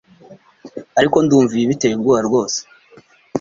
Ariko, ndumva ibi biteye ubwoba rwose